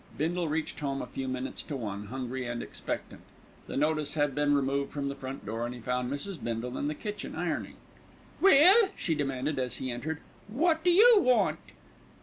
Bindle reached home a few minutes to one, hungry and expectant. The notice had been removed from the front door, and he found Mrs. Bindle in the kitchen ironing. "Well," she demanded as he entered, "what do you want?"